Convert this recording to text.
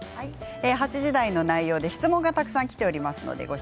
８時台の内容で質問がたくさんきています。